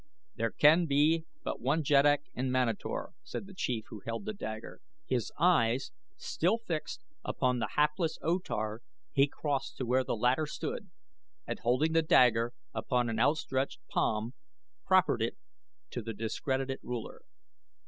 "There can be but one jeddak in Manator," said the chief who held the dagger; his eyes still fixed upon the hapless O Tar he crossed to where the latter stood and holding the dagger upon an outstretched palm proffered it to the discredited ruler.